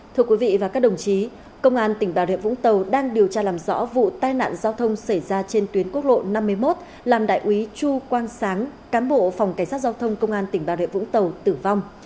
thưa quý vị và các đồng chí công an tỉnh bà rịa vũng tàu đang điều tra làm rõ vụ tai nạn giao thông xảy ra trên tuyến quốc lộ năm mươi một làm đại úy chu quang sáng cán bộ phòng cảnh sát giao thông công an tỉnh bà rịa vũng tàu tử vong